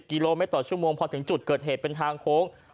กิโลเมตรต่อชั่วโมงพอถึงจุดเกิดเหตุเป็นทางโค้ง